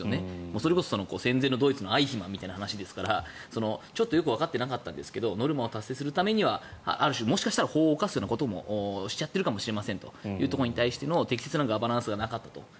それこそ戦前のドイツのアイヒマンみたいな形ですからちょっとよくわかっていなかったんですがノルマを達成するためにはある種、もしかしたら法を犯すようなこともしちゃってるかもしれませんというところの適切なガバナンスがなかったと。